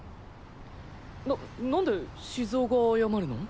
ななんで静雄が謝るの？